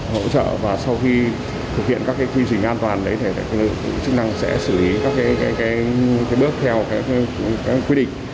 hỗ trợ và sau khi thực hiện các cái quy trình an toàn đấy thì chức năng sẽ xử lý các cái bước theo cái quy định